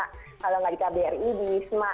kalau nggak di kbri di wisma